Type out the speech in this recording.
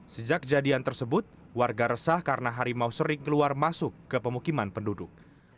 sejak kejadian tersebut warga resah karena harimau sering keluar masuk ke pemukiman penduduk